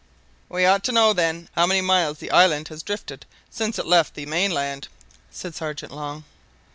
"We ought to know, then, how many miles the island has drifted since it left the mainland," said Sergeant Long.